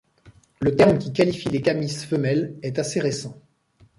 Le terme qui qualifie les kamis femelles est assez récent.